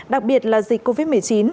đặc biệt là dịch covid một mươi chín